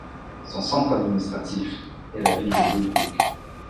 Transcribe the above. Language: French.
Son centre administratif est la ville de Dobrouch.